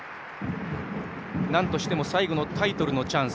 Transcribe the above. なんとしても最後のタイトルのチャンス